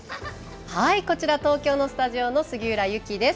こちら、東京スタジオの杉浦友紀です。